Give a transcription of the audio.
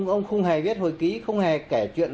ông không hề biết hồi ký không hề kể chuyện